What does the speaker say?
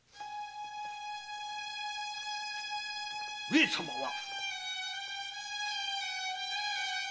上様は？